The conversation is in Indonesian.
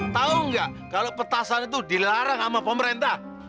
tahu nggak kalau petasan itu dilarang sama pemerintah